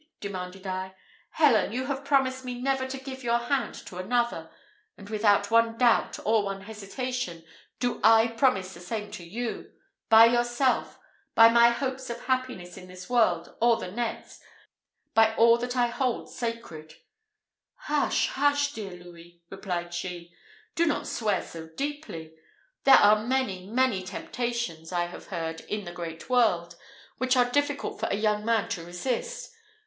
demanded I. "Helen, you have promised me never to give your hand to another; and, without one doubt, or one hesitation, do I promise the same to you by yourself by my hopes of happiness in this world or the next by all that I hold sacred " "Hush, hush, dear Louis!" replied she; "do not swear so deeply. There are many, many temptations, I have heard, in the great world, which are difficult for a young man to resist.